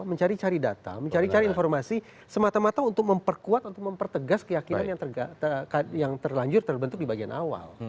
mencari cari data mencari cari informasi semata mata untuk memperkuat untuk mempertegas keyakinan yang terlanjur terbentuk di bagian awal